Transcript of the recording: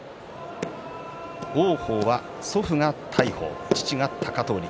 王鵬は祖父が大鵬、父が貴闘力。